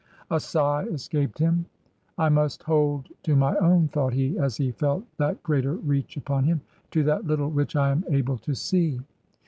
A sigh escaped him. " I must hold to my own," thought he, as he felt that greater reach upon him, " to that little which I am able to see."